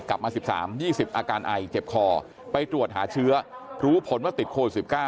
กลับมา๑๓พฤษภาคม๒๐พฤษภาคมอาการไอเจ็บคอไปตรวจหาเชื้อรู้ผลว่าติดโคลด๑๙